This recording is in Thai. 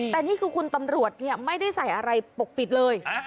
แต่นี่คือคุณตำรวจไม่ได้ใส่อะไรปกปิดเลย